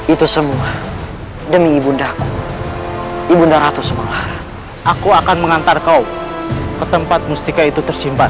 itu semua demi ibundaku ibunda ratu semangat aku akan mengantar kau ke tempat mustika itu tersimpan